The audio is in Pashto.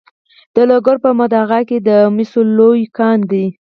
د لوګر په محمد اغه کې د مسو لوی کان دی.